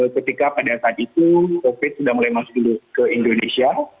ketika pada saat itu covid sembilan belas sudah mulai masuk dulu ke indonesia